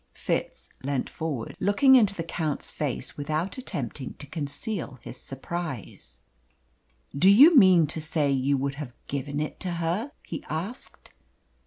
Fitz leant forward, looking into the Count's face without attempting to conceal his surprise. "Do you mean to say you would have given it to her?" he asked.